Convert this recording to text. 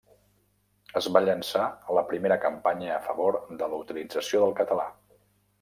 Es va llançar la primera campanya a favor de la utilització del català.